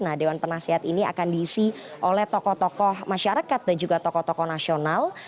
nah dewan penasihat ini akan diisi oleh tokoh tokoh masyarakat dan juga tokoh tokoh nasional